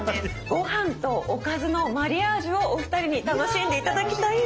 ご飯とおかずのマリアージュをお二人に楽しんで頂きたいんですが。